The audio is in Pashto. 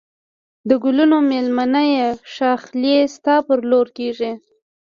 د گلونو مېلمنه یې ښاخلې ستا پر لور کږېږی